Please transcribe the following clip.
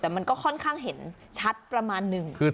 แต่มันก็ค่อนข้างเห็นชัดประมาณหนึ่ง